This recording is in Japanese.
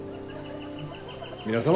皆様